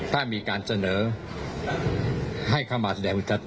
ถ้ามีการเสนอให้เข้ามาแสดง